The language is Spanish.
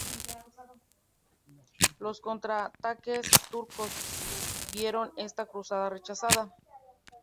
Los contraataques turcos vieron esta cruzada rechazada.